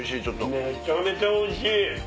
めちゃめちゃおいしい！